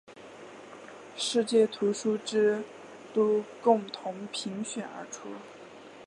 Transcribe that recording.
世界图书之都共同评选而出。